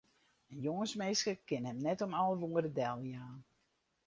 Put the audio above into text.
In jûnsminske kin him net om alve oere deljaan.